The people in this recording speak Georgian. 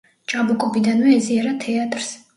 ჭაბუკობიდანვე ეზიარა თეატრს.